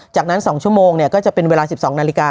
จากนั้น๒ชั่วโมงก็จะเป็นเวลา๑๒นาฬิกา